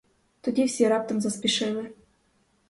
Тоді всі раптом заспішили.